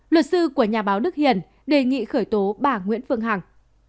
luật sư của nhà báo đức hiền đề nghị khởi tố bà nguyễn phương hằng